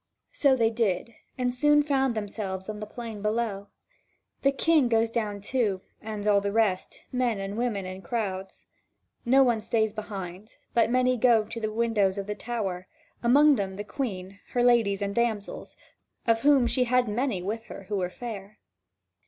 So they did, and soon found themselves on the plain below. The King goes down too, and all the rest, men and women in crowds. No one stays behind; but many go up to the windows of the tower, among them the Queen, her ladies and damsels, of whom she had many with her who were fair.